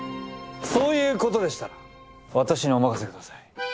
そういう事でしたら私にお任せください。